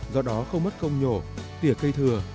do đó không mất công nhổ tỉa cây thừa